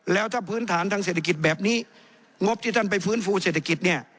แล้วถ้าพื้นฐานทางเศรษฐกิจแบบนี้งบที่ท่านไปฟื้นฟูเศรษฐกิจเนี่ย